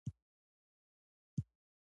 کاشکې زه پوهیدای چې دا شیان څه معنی لري